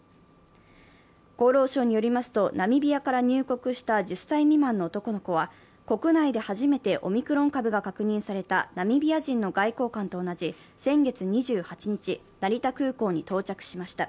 厚労省によりますと、ナミビアから入国した１０歳未満の男の子は国内で初めてオミクロン株が確認されたナミビアジンの外交官と同じ先月２８日、成田空港に到着しました。